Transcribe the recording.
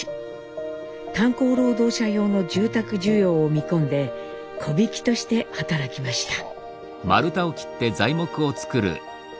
炭鉱労働者用の住宅需要を見込んで木びきとして働きました。